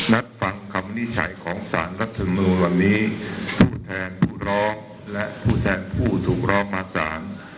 นัดฟังคำวินิจฉัยของสารรัฐมนูลวันนี้ผู้แทนผู้ร้องและผู้แทนผู้ถูกร้องมาสาร